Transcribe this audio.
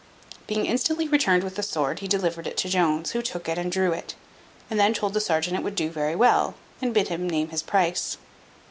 Being instantly returned with the sword, he delivered it to Jones, who took it and drew it; and then told the serjeant it would do very well, and bid him name his price.